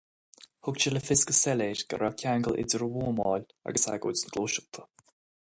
Thug sé le fios go soiléir go raibh ceangal idir an bhuamáil agus agóid na Gluaiseachta.